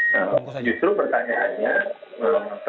nah justru pertanyaannya